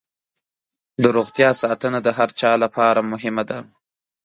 د روغتیا ساتنه د هر چا لپاره مهمه ده.